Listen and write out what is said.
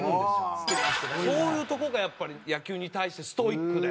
そういうとこがやっぱり野球に対してストイックで。